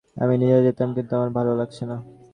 আমি নিজেই যেতাম, কিন্তু আমার ভালো লাগছে না।